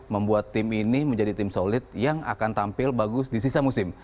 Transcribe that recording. membuat tim ini menjadi tim solid yang akan tampil bagus di sisa musim